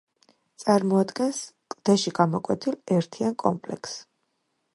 წარმოადგენს კლდეში გამოკვეთილ ერთიან კომპლექსს.